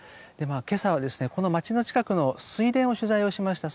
今朝はこの街の近くの水田を取材しました。